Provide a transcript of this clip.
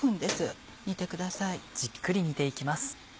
じっくり煮て行きます。